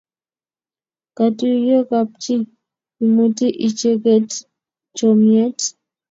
Katuiyo kapchi, imuti icheget chomyet